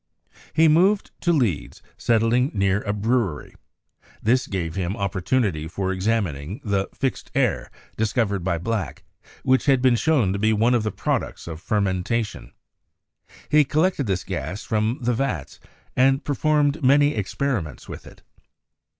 He moved to Leeds, settling near a brewery. This gave him opportunity for examining the "fixed air" discovered by Black, and which had been shown to be one of the prod ucts of fermentation. He collected this gas from the vats, and performed many experiments with it.